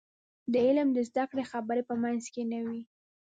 د علم د زده کړې خبرې په منځ کې نه وي.